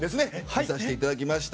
見させていただきました。